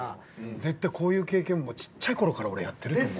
絶対こういう経験もちっちゃい頃から俺やってると思う。